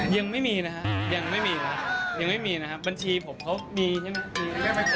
ยังไม่มีนะฮะยังไม่มีครับยังไม่มีนะครับบัญชีผมเขามีใช่ไหม